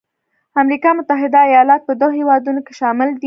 امریکا متحده ایالات په دغو هېوادونو کې شامل دی.